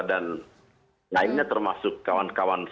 dan lainnya termasuk kawan kawan